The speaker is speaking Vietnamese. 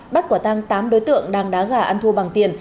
bắt quả tăng tám đối tượng đang đá gà ăn thua bằng tiền